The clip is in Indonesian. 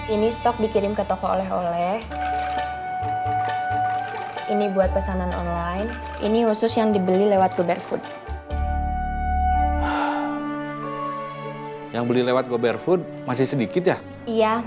untuk berhenti berhenti